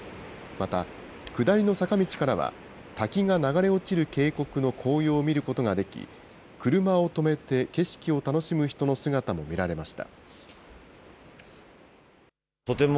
また、下りの坂道からは、滝が流れ落ちる渓谷の紅葉を見ることができ、車を止めて景色を楽しむ人の姿も見られました。